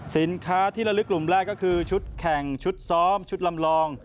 สินค้าที่ระลึกกลุ่มแรกก็คือชุดแข่งชุดซ้อมชุดลำลอง